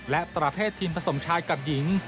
และประเภททีมผสมชายกับหญิง